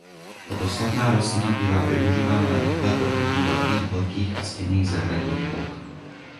Tato statná rostlina bývá využívána na rychlé pokrytí velkých vlhkých a stinných zahradních ploch.